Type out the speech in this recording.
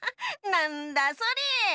なんだそれ！